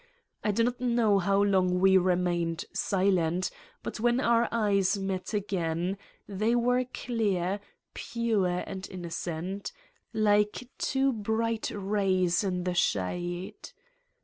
I do not know how long we remained silent, but when our eyes met again they were clear, pure and innocent, like two bright rays in the shade.